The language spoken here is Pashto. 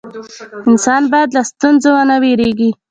انسان باید له ستونزو ونه ویریږي.